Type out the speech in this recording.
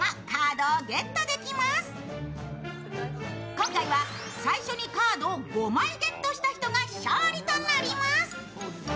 今回は最初にカードを５枚ゲットした人が勝利となります。